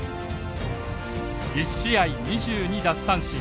１試合２２奪三振。